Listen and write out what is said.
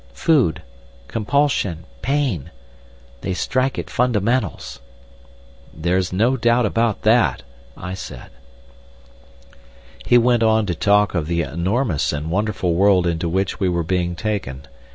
Food. Compulsion. Pain. They strike at fundamentals." "There's no doubt about that," I said. He went on to talk of the enormous and wonderful world into which we were being taken.